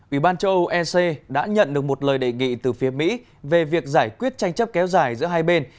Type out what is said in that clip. ủy ban châu âu ec đã nhận được một lời đề nghị từ phía mỹ về việc giải quyết tranh chấp kéo dài giữa hai bên